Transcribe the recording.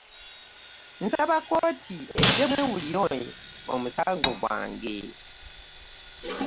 Nsaba kkooti eddemu ewulire omusango gwange.